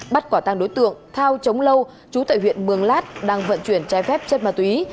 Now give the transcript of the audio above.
bắt quả tăng đối tượng thao chống lâu chú tại huyện mường lát đang vận chuyển trái phép chất ma túy